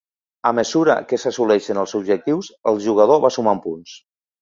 A mesura que s’assoleixen els objectius, el jugador va sumant punts.